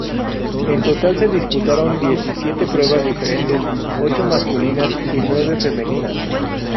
En total se disputaron diecisiete pruebas diferentes, ocho masculinas y nueve femeninas.